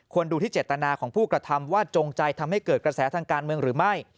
ดูที่เจตนาของผู้กระทำว่าจงใจทำให้เกิดกระแสทางการเมืองหรือไม่